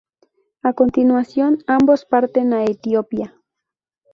A continuación, ambos parten a Etiopía.